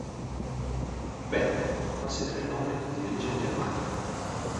Beck considera il nome di origine germanica.